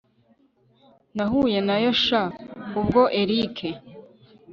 nahuye nayo sha ubwo erick